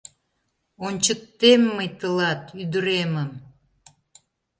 Ончыктем мый тылат «ӱдыремым»!..